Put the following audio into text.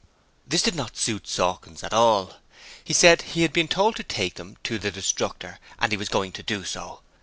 This did not suit Sawkins at all. He said he had been told to take them to the Destructor, and he was going to do so.